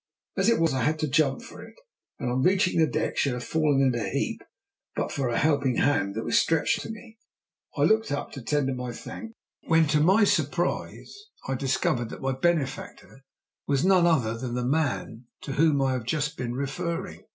As it was I had to jump for it, and on reaching the deck should have fallen in a heap but for a helping hand that was stretched out to me. I looked up to tender my thanks, when to my surprise I discovered that my benefactor was none other than the man to whom I have just been referring.